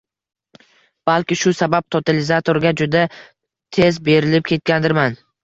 Balki, shu sabab totalizatorga juda tez berilib ketgandirman